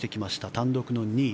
単独の２位。